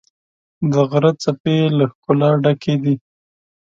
د غره څپې له ښکلا ډکې دي.